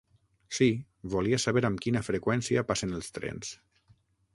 Sí, volia saber amb quina freqüència passen els trens.